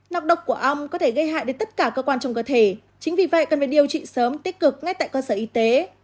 nọc độc của ong có thể gây hại đến tất cả cơ quan trong cơ thể chính vì vậy cần phải điều trị sớm tích cực ngay tại cơ sở y tế